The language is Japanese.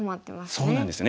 そうなんですね。